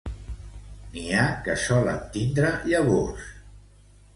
N'hi ha que solen tindre llavors.